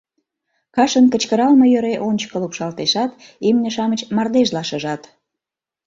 Кашын кычкыралме йӧре ончыко лупшалтешат, имне-шамыч мардежла шыжат.